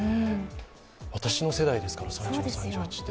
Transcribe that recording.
私の世代ですから３７、３８って。